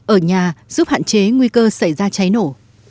ở nhà giúp hạn chế nguy cơ xảy ra cháy nổ